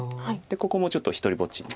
ここもちょっと独りぼっちに。